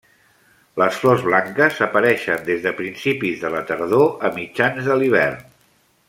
Les flors blanques apareixen des de principis de la tardor a mitjans de l'hivern.